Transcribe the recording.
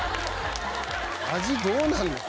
味どうなるの？